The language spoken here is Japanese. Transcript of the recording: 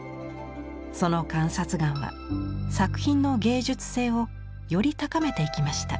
その観察眼は作品の芸術性をより高めていきました。